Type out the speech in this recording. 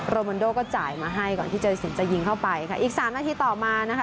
โรมันโดก็จ่ายมาให้ก่อนที่เจอสินจะยิงเข้าไปค่ะอีกสามนาทีต่อมานะคะ